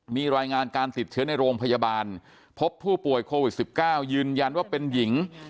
มีรายงานการติดเชื้อในโรงพยาบาลพบผู้ป่วยโควิด๑๙ยืนยันว่าเป็นหญิง